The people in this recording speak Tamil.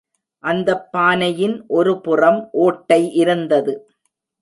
அந்தப் பானையின் ஒரு புறம் ஒட்டை இருந்தது.